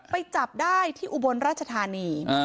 ไปจับได้ที่อุบลราชธานี